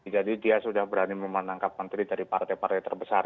jadi dia sudah berani menangkap menteri dari partai partai terbesar